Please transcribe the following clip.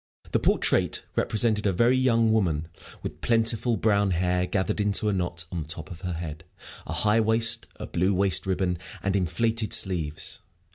The portrait represented a very young woman, with plentiful brown hair gathered into a knot on the top of her head, a high waist, a blue waist ribbon, and inflated sleeves.